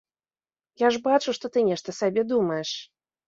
Я ж бачу, што ты нешта сабе думаеш!